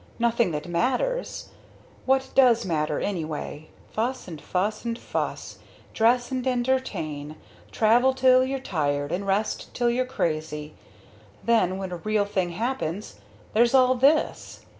"Nothing that matters. What does matter, anyway? Fuss and fuss and fuss. Dress and entertain. Travel till you're tired, and rest till you're crazy! Then when a real thing happens there's all this!"